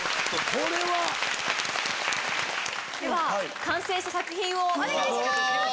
これは。では完成した作品をお願いします！